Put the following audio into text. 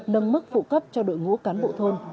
nâng mức phụ cấp cho đội ngũ cán bộ thôn